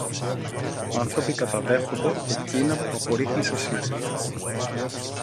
Άνθρωποι καταδέχονται εκείνα που απορίχνεις εσύ!